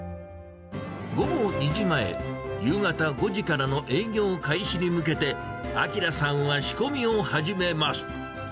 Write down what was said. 午後２時前、夕方５時からの営業開始に向けて、明さんは仕込みを始めます。